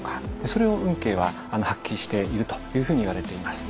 それを運慶は発揮しているというふうにいわれています。